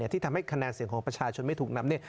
ที่ทำให้คะแนนเสียงของประชาชนไม่ถูกนำ